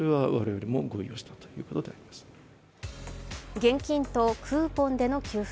現金とクーポンでの給付